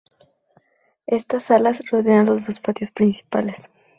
Estas salas rodean los dos patios principales.